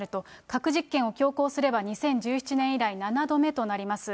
核実験を強行すれば、２０１７年以来７度目となります。